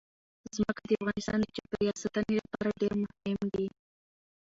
ځمکه د افغانستان د چاپیریال ساتنې لپاره ډېر مهم دي.